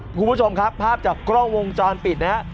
คุณผู้ชมครับภาพจากกล้องวงจรปิดนะฮะ